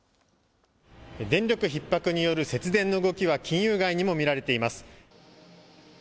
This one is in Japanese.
電力ひっ迫による節電の動きは、金融街にも見られています。